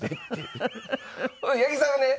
八木さんがね